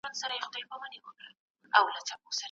داسې مريد يمه چې پير مې په لاسونو کې دی